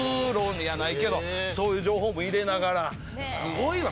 そういう情報も入れながらすごいわ。